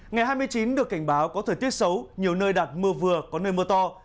ngày hai mươi chín được cảnh báo có thời tiết xấu nhiều nơi đặt mưa vừa có nơi mưa to